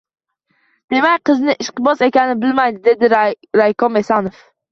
«Demak, qizini... ishqboz ekanini bilmaydi, — dedi raykom Esonov.